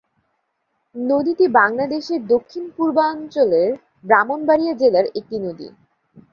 নদীটি বাংলাদেশের দক্ষিণ-পূর্বাঞ্চলের ব্রাহ্মণবাড়িয়া জেলার একটি নদী।